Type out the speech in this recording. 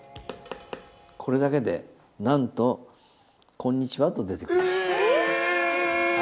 これだけでなんとこんにちはと出てくる。